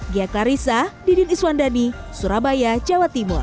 gia klarissa didin iswandani surabaya jawa timur